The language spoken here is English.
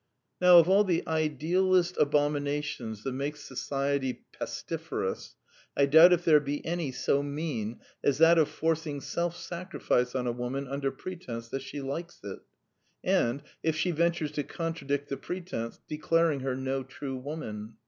Now of all the idealist abominations that make so ciety pestiferous, I doubt if there be any so mean as that of forcing self sacrifice on a woman under pretence that she likes it; and, if she ventures to contradict the pretence, declaring her no true woman.